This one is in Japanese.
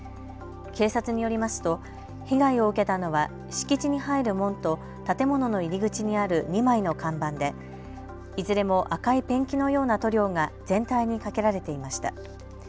警察によりますと被害を受けたのは敷地に入る門と建物の入り口にある２枚の看板でいずれも赤いペンキのような塗料が全体にかけられていました。